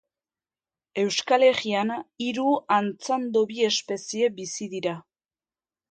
Euskal Herrian hiru antzandobi espezie bizi dira.